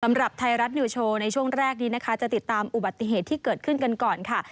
ไทยรัฐนิวโชว์ในช่วงแรกนี้นะคะจะติดตามอุบัติเหตุที่เกิดขึ้นกันก่อนค่ะ